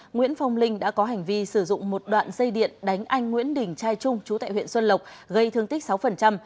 nguyễn phong linh đã có hành vi sử dụng một đoạn dây điện đánh anh nguyễn đình trai trung chú tại huyện xuân lộc gây thương tích sáu